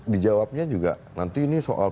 dijawabnya juga nanti ini soal